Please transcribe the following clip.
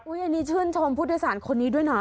อุ้ยอันนี้ชื่นชมพุทธศาลคนนี้ด้วยนะ